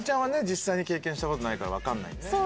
実際に経験した事ないからわかんないんだね。